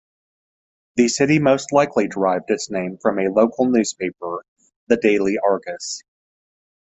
The city most likely derived its name from a local newspaper, the "Daily Argus".